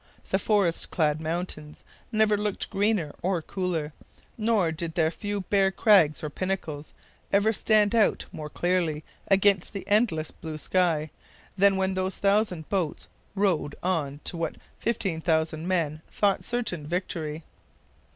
The forest clad mountains never looked greener or cooler; nor did their few bare crags or pinnacles ever stand out more clearly against the endless blue sky than when those thousand boats rowed on to what 15,000 men thought certain victory.